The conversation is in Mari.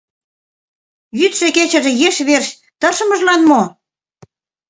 Йӱдшӧ-кечыже еш верч тыршымыжлан мо?